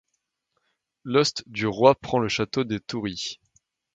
L'ost du roi prend le château de Toury.